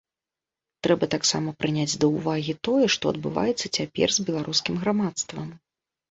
Трэба таксама прыняць да ўвагі тое, што адбываецца цяпер з беларускім грамадствам.